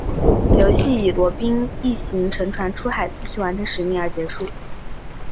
游戏以罗宾一行乘船出海继续完成使命而结束。